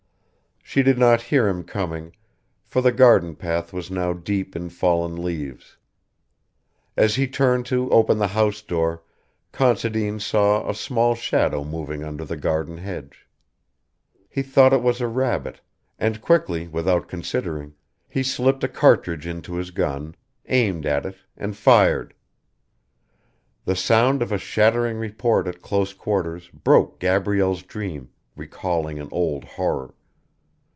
She did not hear him coming, for the garden path was now deep in fallen leaves. As he turned to open the house door Considine saw a small shadow moving under the garden hedge. He thought it was a rabbit, and quickly, without considering, he slipped a cartridge into his gun, aimed at it, and fired. The sound of a shattering report at close quarters broke Gabrielle's dream, recalling an old horror.